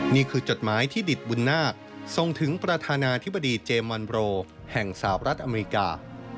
นี่คือจดหมายที่ดิดบุญนาคทรงถึงประธานาธิบดีเจมส์วันโบรแห่งสาวรัฐอเมริกา